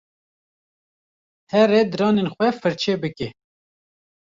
Here diranên xwe firçe bike.